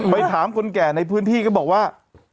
ไปถามคนแก่ในพื้นที่ก็บอกว่า